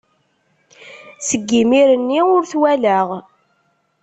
Seg yimir-nni ur t-walaɣ.